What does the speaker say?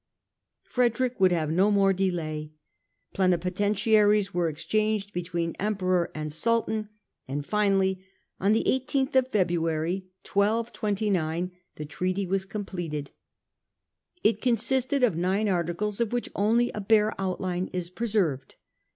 Frederick would have no more delay. Plenipoten tiaries were exchanged between Emperor and Sultan, and finally, on the i8th of February, 1229, the treaty was THE EXCOMMUNICATE CRUSADER 95 completed. It consisted of nine articles of which only a bare outline is preserved.